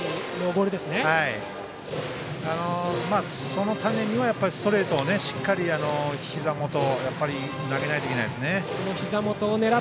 そのためにはストレートをしっかりひざ元に投げないといけませんね。